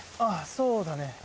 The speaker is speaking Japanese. そうだね